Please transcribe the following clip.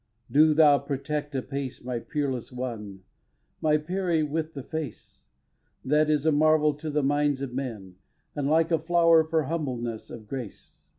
Do thou protect apace My peerless one, my Peri with the face That is a marvel to the minds of men, And like a flower for humbleness of grace.